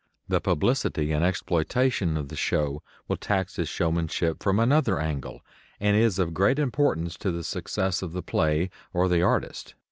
The publicity and exploitation of the show will tax his showmanship from another angle and is of great importance to the success of the play or the artist.